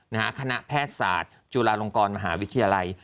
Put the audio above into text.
คณะแพทย์ศาสตร์จุฬาลงกรมหาวิทยาลัย